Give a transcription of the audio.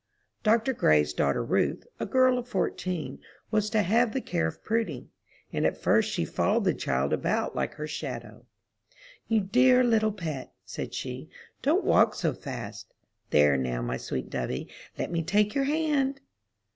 Dr. Gray's daughter Ruth, a girl of fourteen, was to have the care of Prudy; and at first she followed the child about like her shadow. "You dear little pet," said she, "don't walk so fast. There, now, my sweet dovey, let me take your hand."